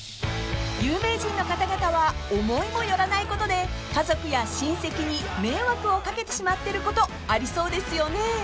［有名人の方々は思いも寄らないことで家族や親戚に迷惑を掛けてしまってることありそうですよね］